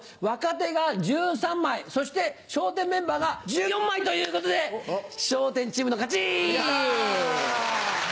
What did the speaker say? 若手が１３枚そして笑点メンバーが１４枚ということで笑点チームの勝ち！